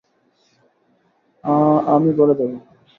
আ-আমি বলে দেবো।